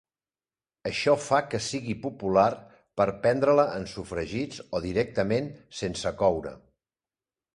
Això fa que sigui popular per prendre-la en sofregits o directament sense coure.